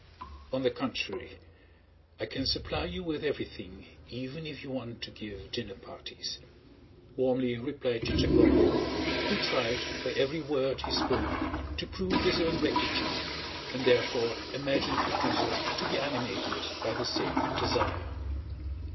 On the contrary, I can supply you with everything even if you want to give dinner parties," warmly replied Chichagóv, who tried by every word he spoke to prove his own rectitude and therefore imagined Kutúzov to be animated by the same desire.